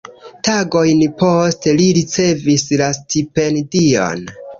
Tagojn poste, li ricevis la stipendion.